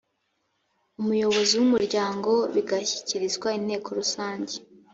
umuyobozi w umuryango bigashyikirizwa inteko rusange